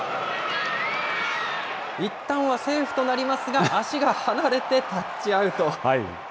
いったんはセーフとなりますが、足が離れてタッチアウト。